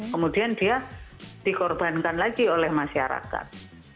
kemudian dia dikorbankan lagi oleh masyarakat